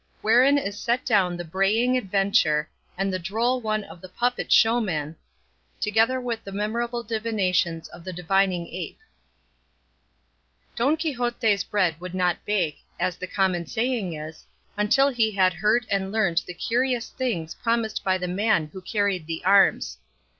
WHEREIN IS SET DOWN THE BRAYING ADVENTURE, AND THE DROLL ONE OF THE PUPPET SHOWMAN, TOGETHER WITH THE MEMORABLE DIVINATIONS OF THE DIVINING APE Don Quixote's bread would not bake, as the common saying is, until he had heard and learned the curious things promised by the man who carried the arms.